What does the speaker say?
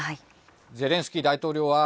ゼレンスキー大統領は、